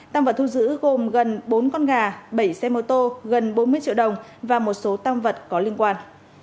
tăng vật thu giữ gồm gần bốn con gà bảy xe mô tô gần bốn mươi triệu đồng và một số tăng vật có liên quan